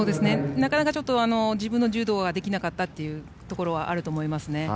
なかなか自分の柔道ができなかったのはあると思いますね。